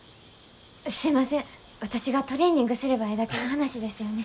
すいません私がトレーニングすればええだけの話ですよね。